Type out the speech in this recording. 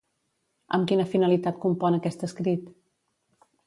Amb quina finalitat compon aquest escrit?